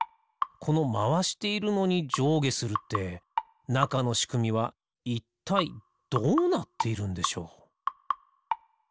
このまわしているのにじょうげするってなかのしくみはいったいどうなっているんでしょう？